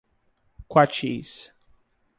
Quatis